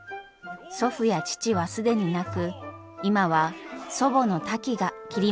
祖父や父は既になく今は祖母のタキが切り盛りしています。